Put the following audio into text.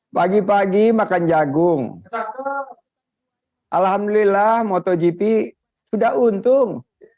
pagi pagi makan jagung alhamdulillah motogp sudah untung